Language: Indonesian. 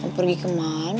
mau pergi kemana